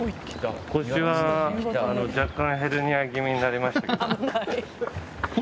腰は若干ヘルニア気味になりましたけど。